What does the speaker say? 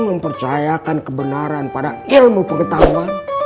mempercayakan kebenaran pada ilmu pengetahuan